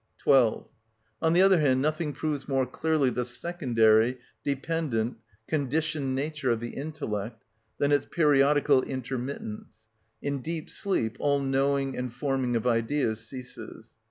12. On the other hand, nothing proves more clearly the secondary, dependent, conditioned nature of the intellect than its periodical intermittance. In deep sleep all knowing and forming of ideas ceases.